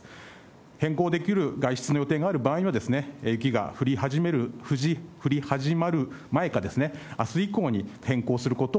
変更できる外出の予定がある場合には、雪が降り始まる前かあす以降に変更することを、